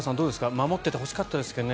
守っていてほしかったですけどね。